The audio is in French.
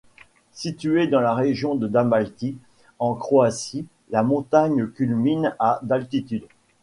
Située dans la région de Dalmatie en Croatie, la montagne culmine à d’altitude.